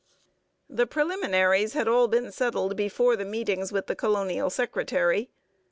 The preliminaries had all been settled before the meetings with the colonial secretary.